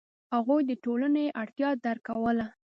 هغوی د ټولنې اړتیا درک کوله.